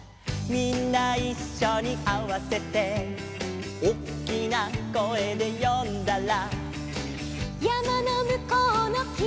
「みんないっしょにあわせて」「おっきな声で呼んだら」